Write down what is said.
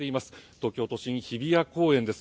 東京都心、日比谷公園です。